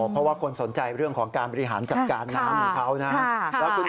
เพราะว่าคนสนใจเรื่องของการบริหารจัดการน้ำของเขานะครับ